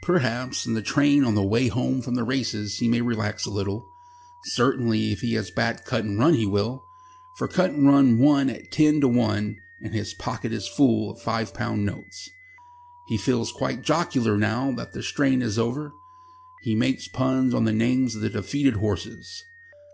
Perhaps, in the train on the way home from the races, he may relax a little. Certainly, if he has backed Cutandrun, he will. For Cutandrun won at ten to one, and his pocket is full of five pound notes. He feels quite jocular now that the strain is over. He makes puns on the names of the defeated horses.